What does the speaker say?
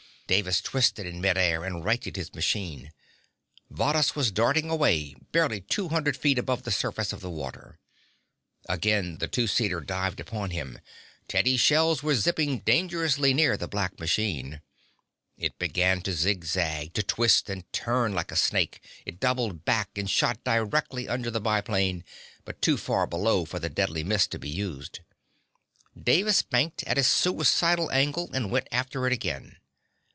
Davis twisted in mid air and righted his machine. Varrhus was darting away, barely two hundred feet above the surface of the water. Again the two seater dived upon him. Teddy's shells were zipping dangerously near the black machine. It began to zigzag, to twist and turn like a snake. It doubled back and shot directly under the biplane, but too far below for the deadly mist to be used. Davis banked at a suicidal angle and went after it again.